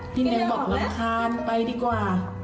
พี่เนื้อบอกหวังคาญไปดีกว่า